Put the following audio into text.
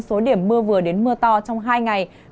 số điểm mưa vừa đến mưa to trong hai ngày